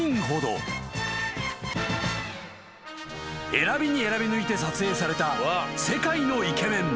［選びに選びぬいて撮影された世界のイケメン］